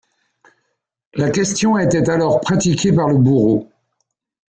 La question était alors pratiquée par le bourreau.